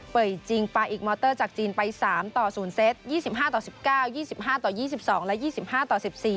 จริงปาอิกมอเตอร์จากจีนไป๓ต่อ๐เซต๒๕ต่อ๑๙๒๕ต่อ๒๒และ๒๕ต่อ๑๔